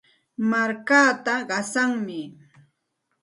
Markaata qasanmi.